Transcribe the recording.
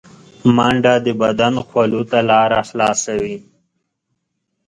منډه د بدن خولو ته لاره خلاصوي